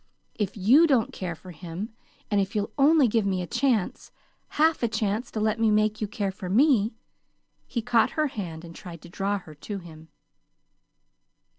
If YOU don't care for him, and if you'll only give me a chance half a chance to let me make you care for me " He caught her hand, and tried to draw her to him.